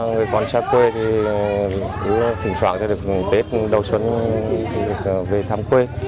người con xa quê thì thỉnh thoảng được tết đầu xuân về thăm quê